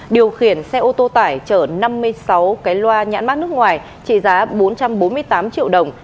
điều khiển xe ô tô tải chở năm mươi sáu cái loa nhãn mát nước ngoài trị giá bốn trăm bốn mươi tám triệu đồng